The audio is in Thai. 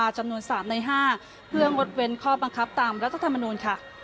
จำนวน๓ใน๕เพื่องดเว้นข้อบังคับตามรัฐธรรมนูลค่ะ